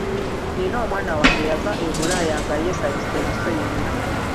Nina omwana wange yava e Bulaaya nga yeesabise ebiso yenna.